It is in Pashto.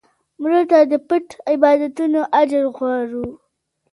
مړه ته د پټ عبادتونو اجر غواړو